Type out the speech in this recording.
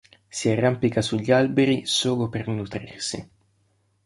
Si arrampica sugli alberi solo per nutrirsi.